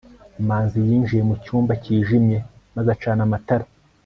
manzi yinjiye mu cyumba cyijimye maze acana amatara